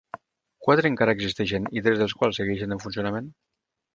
Quatre encara existeixen i tres dels quals segueixen en funcionament.